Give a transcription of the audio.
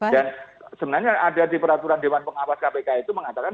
dan sebenarnya ada di peraturan dewan pengawas kpk itu mengatakan